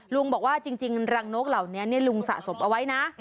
ลุงบอกว่าจริงรังนกเหล่านี้ลุงสะสมเอาไว้นะ